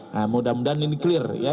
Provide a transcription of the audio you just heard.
nah mudah mudahan ini clear ya